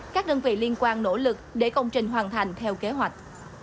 các đơn vị liên quan nỗ lực để công trình hoàn thành theo kế hoạch